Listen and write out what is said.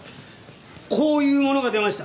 こういうものが出ました。